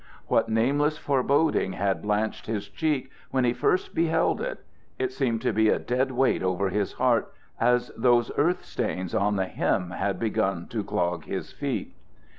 What nameless foreboding had blanched his cheek when he first beheld it? It seemed to be a dead weight over his heart, as those earth stains on the hem had begun to clog his feet.